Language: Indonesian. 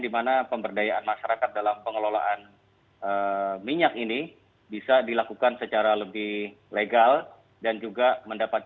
di mana pemberdayaan masyarakat dalam pengelolaan minyak ini bisa dilakukan secara lebih berat